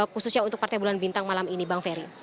khususnya untuk partai bulan bintang malam ini bang ferry